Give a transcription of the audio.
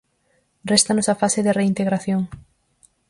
Réstanos a fase de reintegración.